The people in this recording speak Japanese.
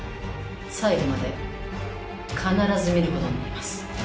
最後まで必ず見ることになります。